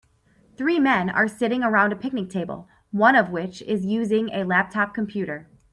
Three men are sitting around a picnic table, one of which is using a laptop computer.